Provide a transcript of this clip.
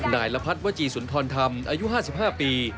นายละพัฒนวจีสุนทรธรรมอายุ๕๕ปี